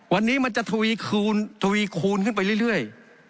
วันนี้มันจะทวีคูณขึ้นไปเรื่อย